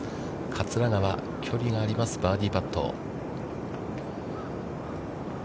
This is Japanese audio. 桂川、距離がありますバーディーパット。